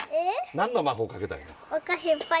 何の魔法かけたいの？